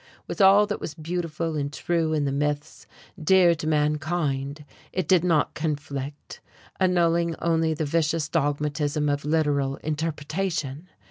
With all that was beautiful and true in the myths dear to mankind it did not conflict, annulling only the vicious dogmatism of literal interpretation.